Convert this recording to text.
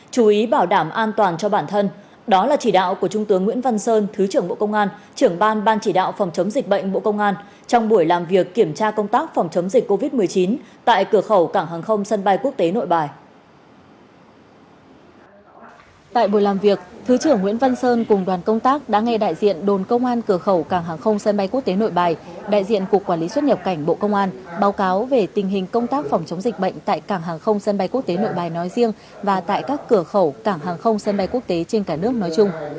tại buổi làm việc thứ trưởng nguyễn văn sơn cùng đoàn công tác đã ngay đại diện đồn công an cửa khẩu cảng hàng không sân bay quốc tế nội bài đại diện cục quản lý xuất nhập cảnh bộ công an báo cáo về tình hình công tác phòng chống dịch bệnh tại cảng hàng không sân bay quốc tế nội bài nói riêng và tại các cửa khẩu cảng hàng không sân bay quốc tế trên cả nước nói chung